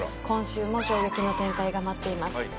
今週も衝撃の展開が待っています。